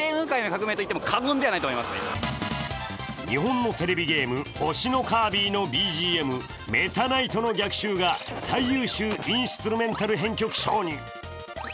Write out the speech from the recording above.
日本のテレビゲーム「星のカービィ」のＢＧＭ、「メタナイトの逆襲」が最優秀インストゥルメンタル編曲賞に。